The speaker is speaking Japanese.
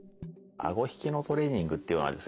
あご引きのトレーニングっていうのはですね